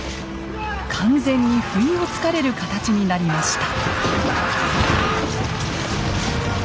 完全に不意をつかれる形になりました。